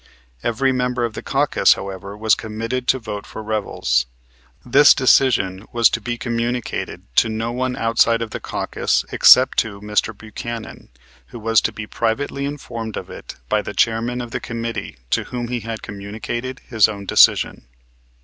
Every member of the caucus, however, was committed to vote for Revels. This decision was to be communicated to no one outside of the caucus except to Mr. Buchanan, who was to be privately informed of it by the chairman of the committee to whom he had communicated his own decision.